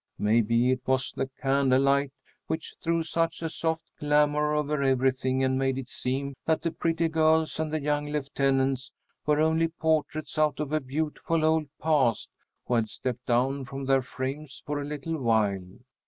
Maybe it was the candle light which threw such a soft glamour over everything and made it seem that the pretty girls and the young lieutenants were only portraits out of a beautiful old past who had stepped down from their frames for a little while.